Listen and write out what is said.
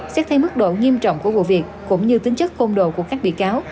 xét thay mức độ nghiêm trọng của vụ việc cũng như tính chất khôn đồ của các bị cáo